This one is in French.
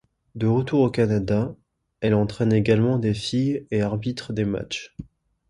De retour au Canada, elle entraîne également des filles et arbitre des matchs.